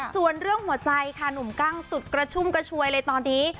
ส่วนเรื่องหัวใจค่ะหนุ่มกั้งสุดกระชุ่มกระชวยเลยตอนนี้